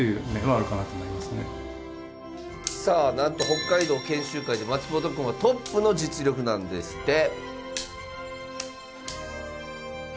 さあなんと北海道研修会で松本くんはトップの実力なんですって。